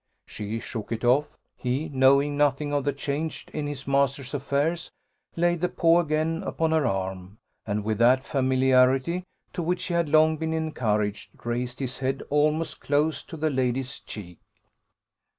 She shook it off: he, knowing nothing of the change in his master's affairs, laid the paw again upon her arm; and with that familiarity to which he had long been encouraged, raised his head almost close to the lady's cheek.